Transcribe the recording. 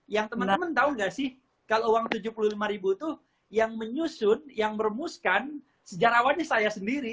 yang teman teman tahu nggak sih kalau uang rp tujuh puluh lima itu yang menyusun yang meremuskan sejarawannya saya sendiri